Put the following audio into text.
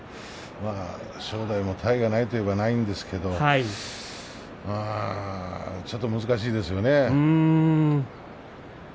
正代も体がないと言えばないんですけどちょっと難しいですよね。